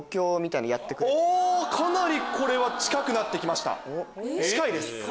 かなりこれは近くなって来ました近いです。